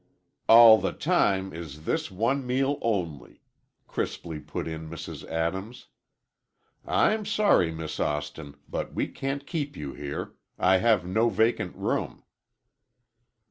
"All the time is this one meal only," crisply put in Mrs. Adams. "I'm sorry, Miss Austin, but we can't keep you here. I have no vacant room."